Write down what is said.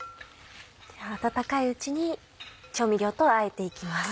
温かいうちに調味料とあえていきます。